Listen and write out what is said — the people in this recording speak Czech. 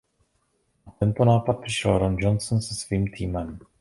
Na tento nápad přišel Ron Johnson se svým týmem.